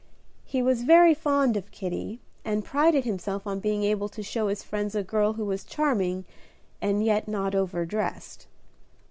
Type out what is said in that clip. He was very fond of Kitty, and prided himself on being able to show his friends a girl who was charming, and yet not over dressed.